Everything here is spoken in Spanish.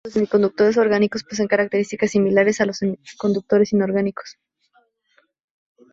Los semiconductores orgánicos poseen características similares a los semiconductores inorgánicos.